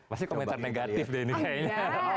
pasti komentar negatif deh ini kayaknya